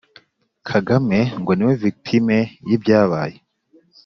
Kagame ngo niwe victime w'ibyabaye.